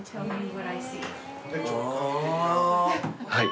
はい。